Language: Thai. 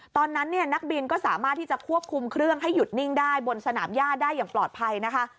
ตอนนั้นเนี่ยนักบินก็สามารถที่จะควบคุมเครื่องให้หยุดนิ่งได้บนสนามย่าได้อย่างปลอดภัยนะคะ